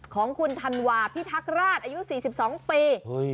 ของคุณธันวาพิทักราชอายุ๔๒ปี